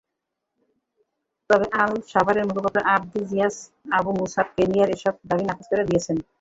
তবে আল-শাবাবের মুখপাত্র আবদিয়াজিজ আবু মুসাব কেনিয়ার এসব দাবি নাকচ করে দিয়েছেন।